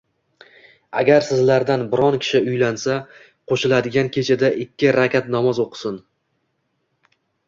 Agar sizlardan biron kishi uylansa, qo‘shiladigan kechada ikki rakat namoz o‘qisin.